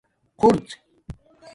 خُرڎ